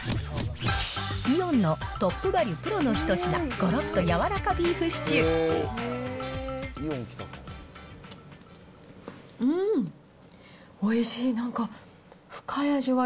イオンのトップバリュプロのひと品ごろっとやわらかビーフシチュうーん、おいしい、なんか深い味わい。